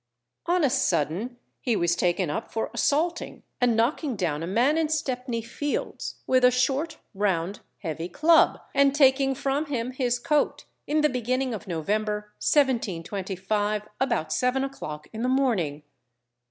On a sudden he was taken up for assaulting and knocking down a man in Stepney Fields, with a short, round, heavy club, and taking from him his coat, in the beginning of November, 1725, about seven o'clock in the morning.